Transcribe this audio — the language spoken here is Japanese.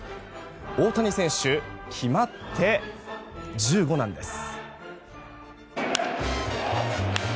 大谷選手決まって１５なんです。